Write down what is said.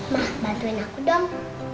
ma bantuin aku dong